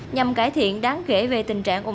nhằm cải thiện đáng kể về tình trạng ổng tắc